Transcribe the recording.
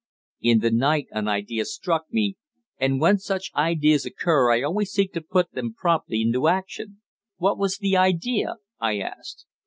"In the night an idea struck me, and when such ideas occur I always seek to put them promptly into action." "What was the idea?" I asked.